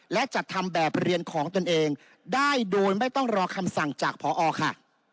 และจัดทำแบบเรียนของตนเองได้โดยไม่ต้องรอคำสั่งจากพอค่ะ